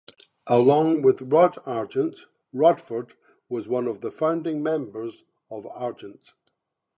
Along with Rod Argent, Rodford was one of the founding members of Argent.